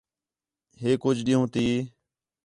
ہِے کُج ݙِین٘ہوں تی